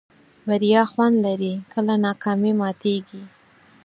بریا خوند لري کله ناکامي ماتېږي.